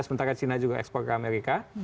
sementara china juga ekspor ke amerika